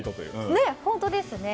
本当ですね。